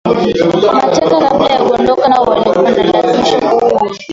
mateka kabla ya kuondoka nao walikuwa wanawalazimisha kuua